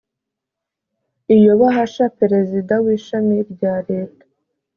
iyo bahasha perezida w ishami rya leta